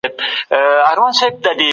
که ذوق وروزل سي نو کلتور جوړېږي.